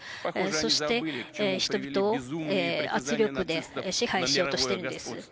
そして、人々を圧力で支配しようとしているんです。